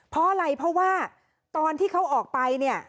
เพราะอะไรเพราะว่าตอนที่เขาออกไปเนี่ย